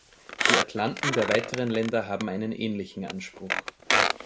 Die Atlanten der weiteren Länder haben einen ähnlichen Anspruch.